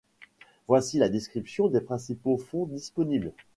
Voici la description des principaux fonds disponibles.